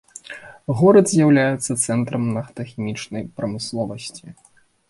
Горад з'яўляецца цэнтрам нафтахімічнай прамысловасці.